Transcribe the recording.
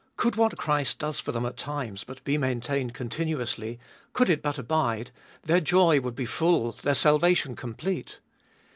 Could what Christ does for them at times but be maintained continuously, could it but abide, — their joy would be full, their salvation complete.